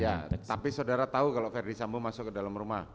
ya tapi saudara tahu kalau verdi sambo masuk ke dalam rumah